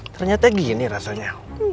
ternyata gini rasanya